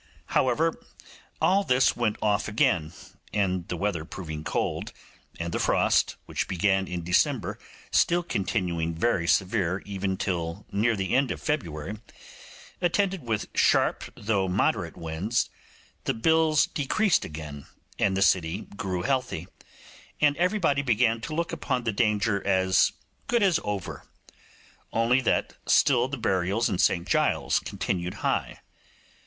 However, all this went off again, and the weather proving cold, and the frost, which began in December, still continuing very severe even till near the end of February, attended with sharp though moderate winds, the bills decreased again, and the city grew healthy, and everybody began to look upon the danger as good as over; only that still the burials in St Giles's continued high.